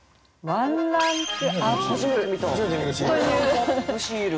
ワンランクＵＰシール。